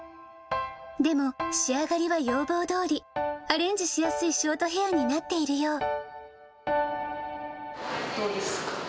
でも、仕上がりは要望どおり、アレンジしやすいショートヘアになっていどうですか。